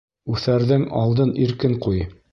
Үҫәрҙең алдын иркен ҡуй.